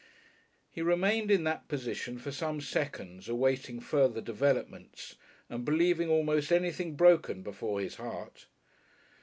He remained in that position for some seconds awaiting further developments and believing almost anything broken before his heart.